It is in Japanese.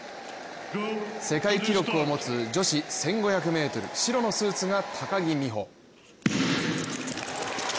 世界記録を持つ女子１５００ｍ白のスーツが高木美帆。